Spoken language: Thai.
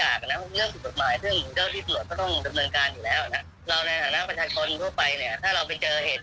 ถ้าเราไปเจอเหตุอย่างนั้นแล้วเรามันยังไงกันเราจะทำยังไง